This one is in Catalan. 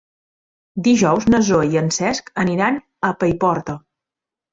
Dijous na Zoè i en Cesc aniran a Paiporta.